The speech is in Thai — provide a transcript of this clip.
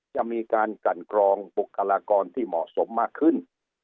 จะมีการกันกรองบุคลากรที่เหมาะสมมากขึ้น